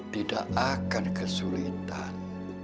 tidak akan kesulitan